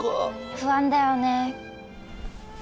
不安だよね？